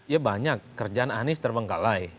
ya banyak kerjaan anies terbengkalai